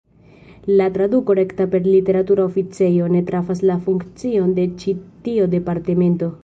La traduko rekta per "literatura oficejo" ne trafas la funkcion de ĉi tio departemento.